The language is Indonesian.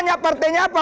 tanya partainya apa